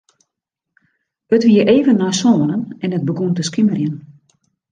It wie even nei sânen en it begûn te skimerjen.